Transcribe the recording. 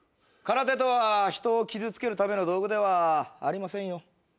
空手とは人を傷つけるための道具ではありませんよ。